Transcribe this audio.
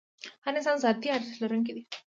هر انسان د ذاتي ارزښت لرونکی دی.